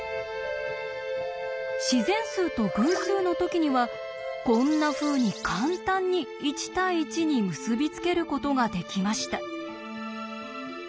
自然数と偶数の時にはこんなふうに簡単に１対１に結び付けることができました。